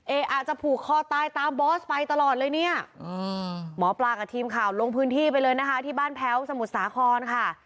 อาจจะผูกคอตายตามบอสไปตลอดเลยเนี่ยหมอปลากับทีมข่าวลงพื้นที่ไปเลยนะคะที่บ้านแพ้วสมุทรสาครค่ะ